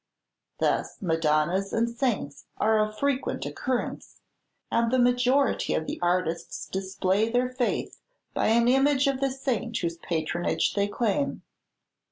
Thus, Madonnas and saints are of frequent occurrence; and the majority of the artists display their faith by an image of the saint whose patronage they claim.